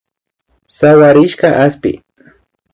Sawarishka aspi